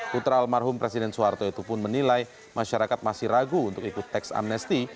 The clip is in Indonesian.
putra almarhum presiden suharto itu pun menilai masyarakat masih ragu untuk ikut tax amnesty